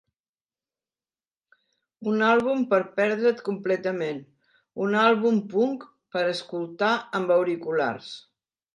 Un àlbum per perdre't completament, un àlbum punk per escoltar amb auriculars.